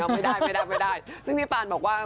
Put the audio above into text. ไม่ได้ซึ่งนี่ปานบอกว่า